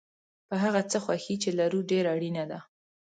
په هغه څه خوښي چې لرو ډېره اړینه ده.